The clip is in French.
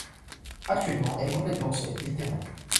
Actuellement, elle est complètement obsolète militairement.